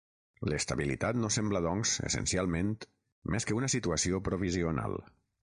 L'estabilitat no sembla doncs, essencialment, més que una situació provisional.